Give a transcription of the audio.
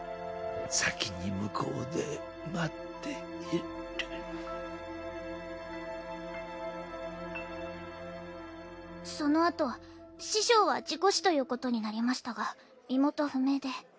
昴雪待そのあと師匠は事故死ということになりましたが身元不明で。